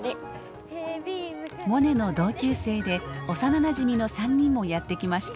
モネの同級生で幼なじみの３人もやって来ました。